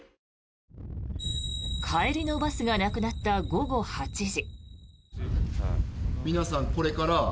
帰りのバスがなくなった午後８時。